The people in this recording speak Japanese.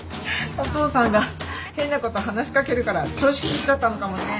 お父さんが変なこと話し掛けるから調子狂っちゃったのかもね。